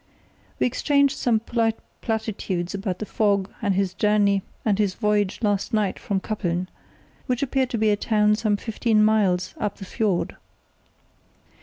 We exchanged some polite platitudes about the fog and his voyage last night from Kappeln, which appeared to be a town some fifteen miles up the fiord.